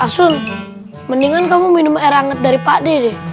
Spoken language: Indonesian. sun mendingan kamu minum air anget dari pak d